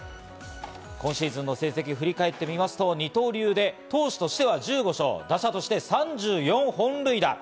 今シーズンの成績を振り返ってみますと二刀流で投手としては１５勝、打者として３４本塁打。